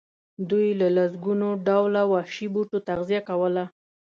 دوی له لسګونو ډوله وحشي بوټو تغذیه کوله.